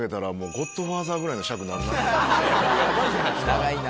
長いな。